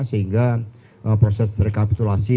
sehingga proses rekapitulasi